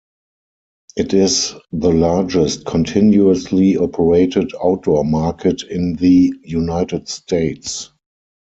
It is the largest continuously operated outdoor market in the United States.